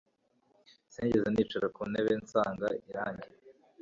sinigeze nicara ku ntebe nsanga irangi